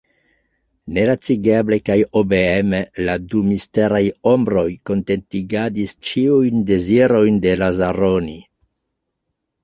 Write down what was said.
Nelacigeble kaj obeeme la du misteraj ombroj kontentigadis ĉiujn dezirojn de Lazaroni.